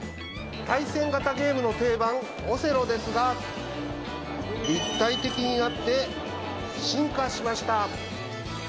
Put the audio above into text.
対戦型ゲームの定番、オセロですが、立体的になって、進化しました。